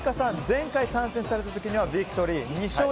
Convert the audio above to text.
前回参戦された時にはビクトリー、２勝。